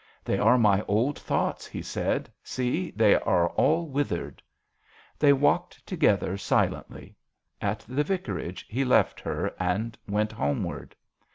" They are my old thoughts," he said ;" see, they are all withered." They walked together silently. At the vicarage he left her and went homeward.